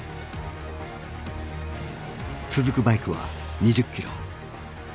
続くバイクは２０ｋｍ。